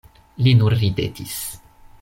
Li nur ridetis.